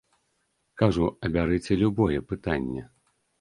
Кажу, абярыце любое пытанне.